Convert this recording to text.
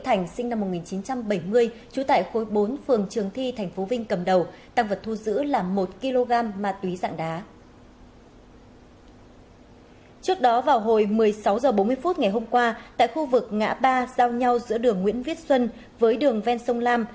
sáu h bốn mươi phút ngày hôm qua tại khu vực ngã ba giao nhau giữa đường nguyễn viết xuân với đường ven sông lam